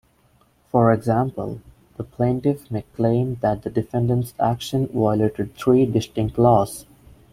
For example, the plaintiff may claim that the defendant's actions violated three distinct laws.